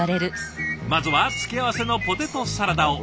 まずは付け合わせのポテトサラダを。